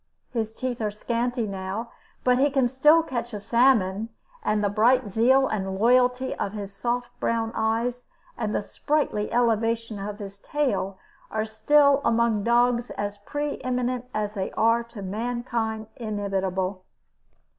His teeth are scanty now, but he still can catch a salmon, and the bright zeal and loyalty of his soft brown eyes and the sprightly elevation of his tail are still among dogs as pre eminent as they are to mankind inimitable.